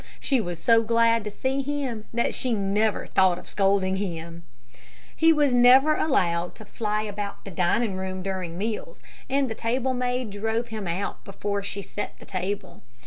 She was so glad to see him, that she never thought of scolding him. He was never allowed to fly about the dining room during meals, and the table maid drove him out before she set the table.